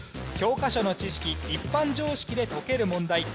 教科書の知識一般常識で解ける問題